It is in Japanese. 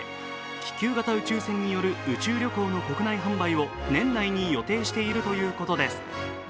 気球型宇宙船による宇宙旅行の国内販売を年内に予定しているということです。